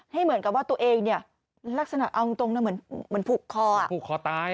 ให้เหมือนกับว่าตัวเองลักษณะเอาตรงเหมือนผูกคอ